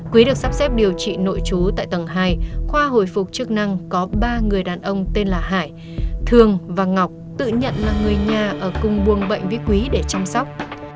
quý được sắp xếp điều trị nội trú tại tầng hai khoa hồi phục chức năng có ba người đàn ông tên là hải thường và ngọc tự nhận là người nhà ở cung buông bệnh với quý để chăm sóc